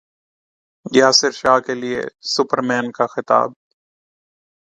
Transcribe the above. یاسر شاہ کے لیے سپرمین کا خطاب